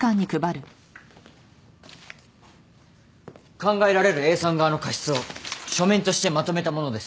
考えられるＡさん側の過失を書面としてまとめたものです。